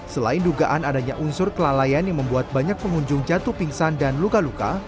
selain dugaan adanya unsur kelalaian yang membuat banyak pengunjung jatuh pingsan dan luka luka